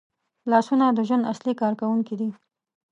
لاسونه د ژوند اصلي کارکوونکي دي